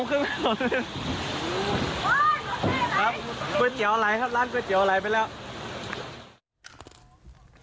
กล้วยเจียวไหลครับล่านกล้วยเจียวไหลไปแล้ว